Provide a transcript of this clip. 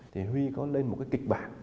thì huy có lên một cái kịch bản